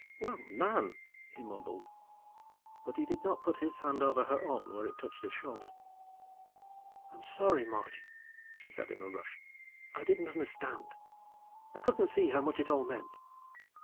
"Well, Nan!" he mumbled. But he did not put his hand over her own where it touched his shoulder. "I'm sorry, Marty," she said in a rush. "I didn't understand. I couldn't see how much it all meant."